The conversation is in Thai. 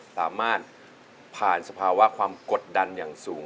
สามารถผ่านสภาวะความกดดันอย่างสูง